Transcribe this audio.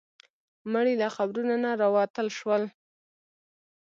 مړي له قبرونو نه راوتل شول.